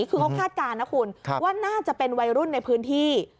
คือเขาคาดการณ์นะคุณว่าน่าจะเป็นวัยรุ่นในพื้นที่